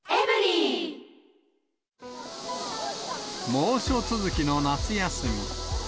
猛暑続きの夏休み。